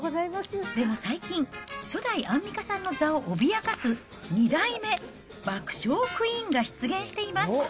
でも最近、初代アンミカさんの座を脅かす、２代目爆笑クイーンが出現しています。